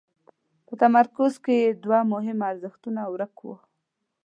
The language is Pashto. په تمرکز کې یې دوه مهم ارزښتونه ورک وو.